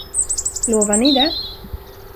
Lovar ni det?